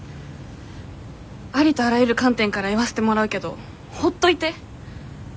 ありとあらゆる観点から言わせてもらうけどほっといて！